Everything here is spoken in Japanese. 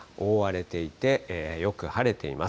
覆われていて、よく晴れています。